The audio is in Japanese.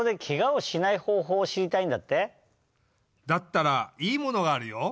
だったらいいものがあるよ。